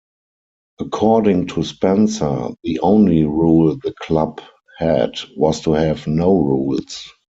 According to Spencer, the only rule the club had was to have no rules.